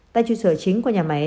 tại trụ sở chính của nhà máy